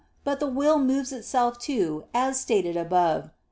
But the will moves itself, too, as stated above (Q.